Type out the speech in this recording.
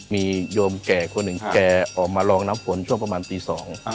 มีโยมแก่คนหนึ่งแกออกมาลองน้ำฝนช่วงประมาณตีสอง